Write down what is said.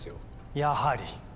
やはり。